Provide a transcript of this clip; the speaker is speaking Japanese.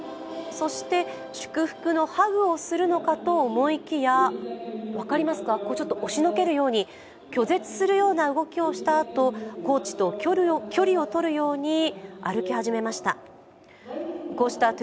そして、祝福のハグをするのかと思いきや分かりますか、押しのけるように拒絶するような動きをしたあとコーチと距離をとるように歩き始めました。